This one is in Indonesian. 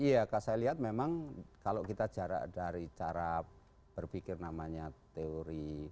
iya saya lihat memang kalau kita jarak dari cara berpikir namanya teori